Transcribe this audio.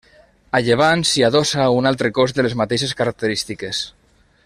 A llevant s'hi adossa un altre cos de les mateixes característiques.